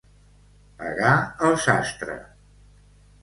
Pagar el sastre.